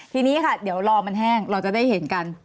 ทีนี้ค่ะเดี๋ยวรอมันแห้งเราจะได้เห็นกัน